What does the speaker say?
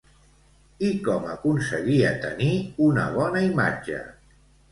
I com aconseguia tenir una bona imatge?